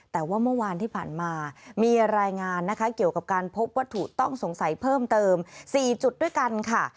แต่ว่าเมื่อวานที่ผ่านมามีรายงานนะคะเกี่ยวกับการพบวัตถุต้องสงสัยเพิ่มเติม๔จุดด้วยกันค่ะ